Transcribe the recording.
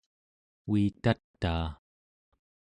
uitataa